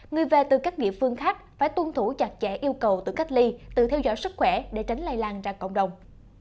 người về từ các địa phương khác phải tuân thủ chặt chẽ yêu cầu tự cách ly tự theo dõi sức khỏe để tránh lây lan ra cộng đồng